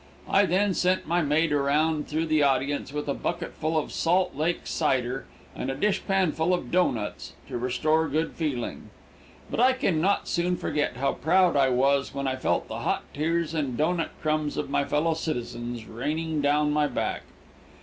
I then sent my maid around through the audience with a bucketful of Salt Lake cider, and a dishpan full of doughnuts, to restore good feeling. But I can not soon forget how proud I was when I felt the hot tears and doughnut crumbs of my fellow citizens raining down my back.